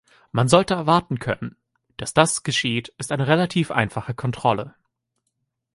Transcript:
Man sollte erwarten können, dass das geschieht ist eine relativ einfache Kontrolle.